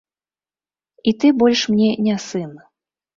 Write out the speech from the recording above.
І ты больш мне не сын.